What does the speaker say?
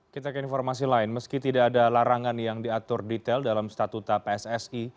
kita ke informasi lain meski tidak ada larangan yang diatur detail dalam statuta pssi